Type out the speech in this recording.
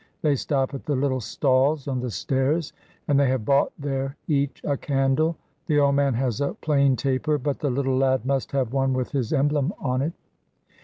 They stop at the little stalls on the stairs, and they have bought there each a candle. The old man has a plain taper, but the little lad must have one with his emblem on it.